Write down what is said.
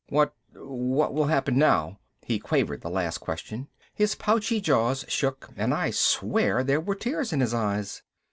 "What ... what will happen now?" He quavered the question. His pouchy jaws shook and I swear there were tears in his eyes.